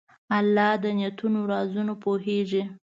الله د نیتونو رازونه پوهېږي.